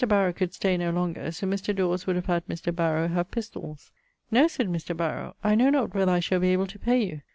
Barrow could stay no longer; so Mr. Dawes would have had Mr. Barrow have C pistolles. 'No,' said Mr. Barrow, 'I know not whether I shall be able to pay you.'